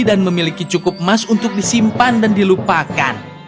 dan memiliki cukup emas untuk disimpan dan dilupakan